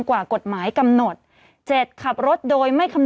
ผู้ต้องหาที่ขับขี่รถจากอายานยนต์บิ๊กไบท์